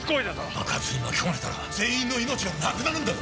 ・爆発に巻き込まれたら全員の命がなくなるんだぞ・